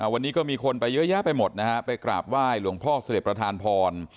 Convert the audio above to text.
วันนี้ก็มีคนไปเยอะแยะไปหมดนะฮะไปกราบไหว้หลวงพ่อเสด็จประธานพร